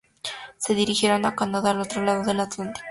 Se dirigieron a Canadá, al otro lado del Atlántico.